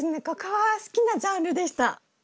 ここは好きなジャンルでした。